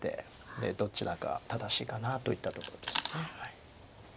どちらが正しいかなといったところです。